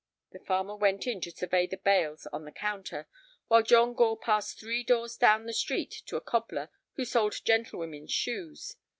The farmer went in to survey the bales on the counter, while John Gore passed three doors down the street to a cobbler who sold gentlewomen's shoes.